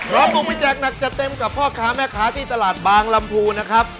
เราบุกไปแจกหนักจัดเต็มกับพ่อค้าแม่ค้าที่ตลาดบางลำพูนะครับ